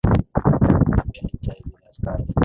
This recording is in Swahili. Hapendi chai bila sukari.